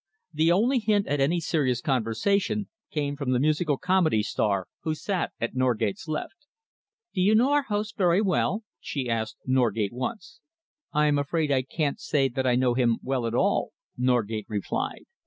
The only hint at any serious conversation came from the musical comedy star who sat at Norgate's left. "Do you know our host very well?" she asked Norgate once. "I am afraid I can't say that I know him well at all," Norgate replied.